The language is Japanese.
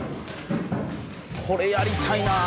これやりたいなあ。